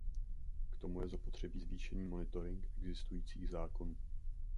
K tomu je zapotřebí zvýšený monitoring existujících zákonů.